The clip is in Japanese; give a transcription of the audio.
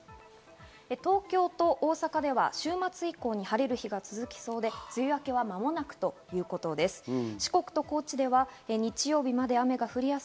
東京と大阪では週末以降に晴れる日が続きそうで、梅雨明けは間もなくということです。